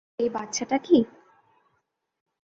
এই বাচ্চাটা কী?